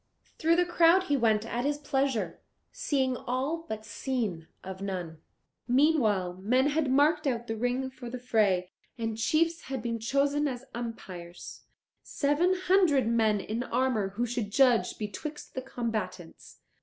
Through the crowd he went at his pleasure, seeing all but seen of none. Meanwhile men had marked out the ring for the fray, and chiefs had been chosen as umpires, seven hundred men in armour who should judge betwixt the combatants.